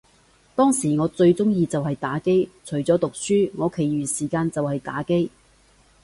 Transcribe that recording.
當時我最鍾意就係打機，除咗讀書，我其餘時間就係打機